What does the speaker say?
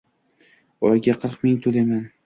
Oyiga qirq ming to`layman